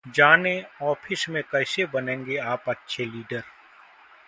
जानें ऑफिस में कैसे बनेंगे आप अच्छे लीडर